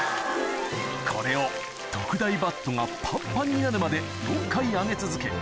これを特大バットがパンパンになるまで４回揚げ続け